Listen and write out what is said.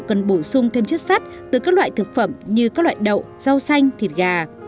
cần bổ sung thêm chất sắt từ các loại thực phẩm như các loại đậu rau xanh thịt gà